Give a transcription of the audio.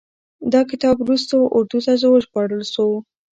دا کتاب وروستو اردو ته وژباړل شو.